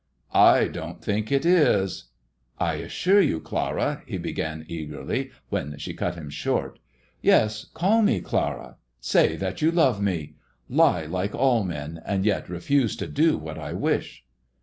" I don't think it is !"I assure you, Clara," he began eagerly, when she ent him short. " Yes, call me Clara ! Say that you love me I lie, like all men, and yet refuse to do what I wish."